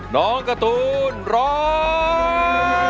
น้องการ์ตูนร้อง